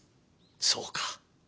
そうか。